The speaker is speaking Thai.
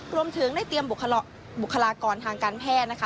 รวมถึงได้เตรียมบุคลากรทางการแพทย์นะคะ